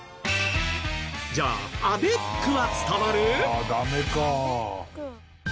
じゃあ「アベック」は伝わる？